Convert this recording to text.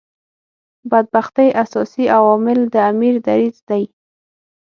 بدبختۍ اساسي عامل د امیر دریځ دی.